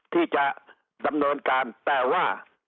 ที่จะดำเนินการแต่ว่า